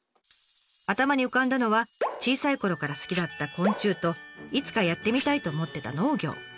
頭に浮かんだのは小さいころから好きだった昆虫といつかやってみたいと思ってた農業。